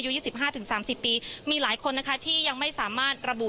พูดสิทธิ์ข่าวธรรมดาทีวีรายงานสดจากโรงพยาบาลพระนครศรีอยุธยาครับ